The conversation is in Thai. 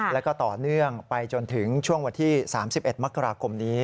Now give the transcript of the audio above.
แล้วก็ต่อเนื่องไปจนถึงช่วงวันที่๓๑มกราคมนี้